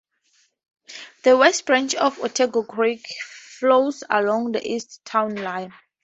The West Branch of Otego Creek flows along the east town line.